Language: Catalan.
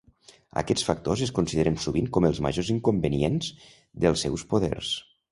Aquests factors es consideren sovint com els majors inconvenients dels seus poders.